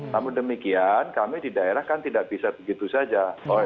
namun demikian kami di daerah kan tidak bisa begitu saja